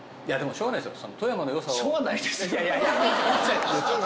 「しょうがないですよ」？